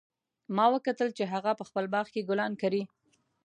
ما وکتل چې هغه په خپل باغ کې ګلان کري